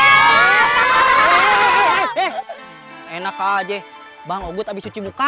eh enak aja bang ugut habis cuci muka